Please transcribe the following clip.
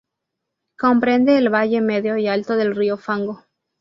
Comprende el valle medio y alto del río Fango.